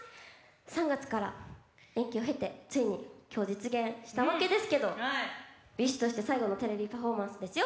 ３月から延期を経てついに今日実現したわけですけどＢｉＳＨとして最後のテレビパフォーマンスですよ。